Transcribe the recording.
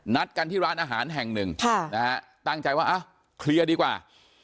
นัดกันที่ร้านอาหารแห่งหนึ่งตั้งใจว่าเคลียร์ดีกว่า